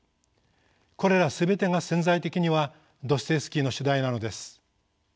これら全てが潜在的にはドストエフスキーの主題なのです。